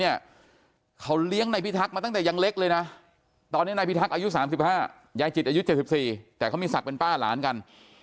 ยายจิตอายุ๗๔แต่เขามีศักดิ์เป็นป้าหลานกัน